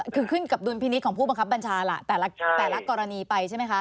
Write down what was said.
คือขึ้นกับดุลพินิษฐ์ของผู้บังคับบัญชาล่ะแต่ละกรณีไปใช่ไหมคะ